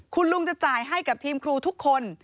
คุณลุงจะจ่ายให้กับทีมครูทุกคน